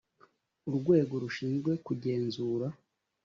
urwego rushinzwe kugenzura